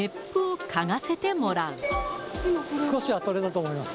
少しは取れたと思います。